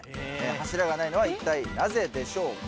柱がないのは一体なぜでしょうか？